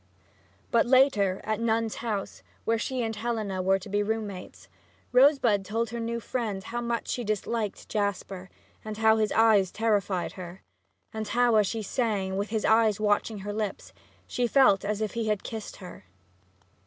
But later, at Nun's House, where she and Helena were to be room mates, Rosebud told her new friend how much she disliked Jasper and how his eyes terrified her, and how, as she sang, with his eyes watching her lips, she felt as if he had kissed her.